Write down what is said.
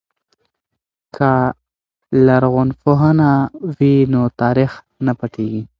که لرغونپوهنه وي نو تاریخ نه پټیږي.